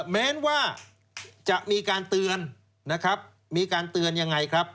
แม้ว่าจะมีการเตือนนะครับมีการเตือนยังไงครับ